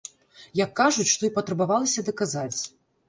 Як кажуць, што і патрабавалася даказаць!